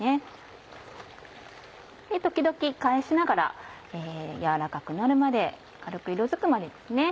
ときどき返しながら軟らかくなるまで軽く色づくまでですね